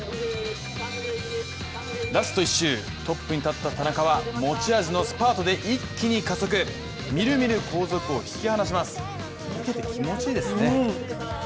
ラスト１周、トップに立った田中は持ち味のスパートで一気に加速、みるみる後続を引き離します。